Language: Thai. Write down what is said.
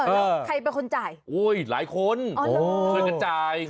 เอ้อใครเป็นคนจ่ายแรกรมจะจ่าย